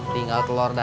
tinggal telur dan